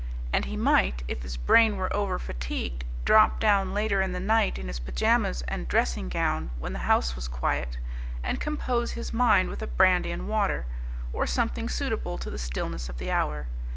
And he might, if his brain were over fatigued, drop down later in the night in his pajamas and dressing gown when the house was quiet, and compose his mind with a brandy and water, or something suitable to the stillness of the hour.